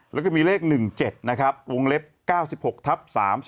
แล้วก็มีเลข๑๗นะครับวงเล็บ๙๖ทับ๓๒